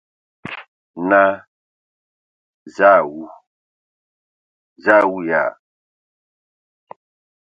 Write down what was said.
Naa: Zǝə a wu! Zǝə a waag ya ?